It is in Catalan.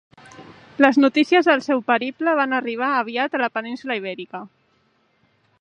Les notícies del seu periple van arribar aviat a la península Ibèrica.